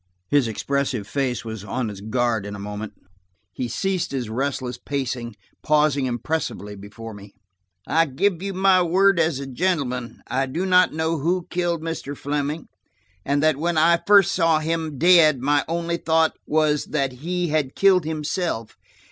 His expressive face was on its guard in a moment. He ceased his restless pacing, pausing impressively before me. "I give you my word as a gentleman–I do not know who killed Mr. Fleming, and that when I first saw him dead, my only thought was that he had killed himself.